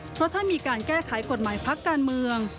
เพราะถ้ามีการแก้ไขกฎหมายพักการเมือง